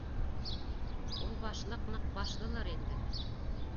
Ул башлыҡ ныҡ башлылыр инде.